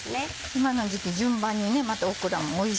今の時期順番にまたオクラもおいしい。